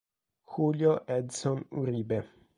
Julio Edson Uribe